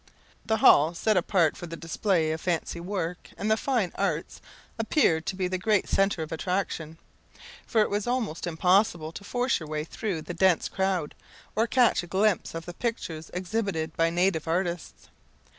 The hall set apart for the display of fancy work and the fine arts appeared to be the great centre of attraction, for it was almost impossible to force your way through the dense crowd, or catch a glimpse of the pictures exhibited by native artists.